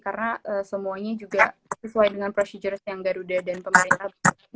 karena semuanya juga sesuai dengan prosedur yang garuda dan pemerintah